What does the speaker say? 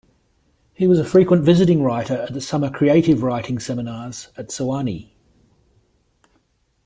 He was a frequent visiting writer at the summer creative writing seminars at Sewanee.